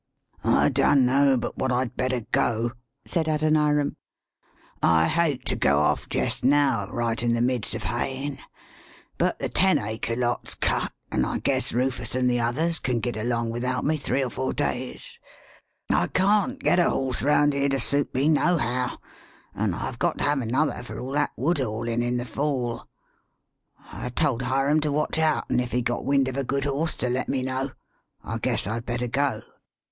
] "I dun know but what I'd better go," [said Adoniram]. " I hate to go off jest now, right in the midst of hayin', but the ten acre lot's cut, an' I guess Rufus an' the others can git along without me three or four days. I can't get a horse round here to suit me, nohow, an' I've got to have another for all that wood haulin' in the fall. I told Hiram to watch out, an' if he got wind of a good horse to let me know. I guess I'd better go."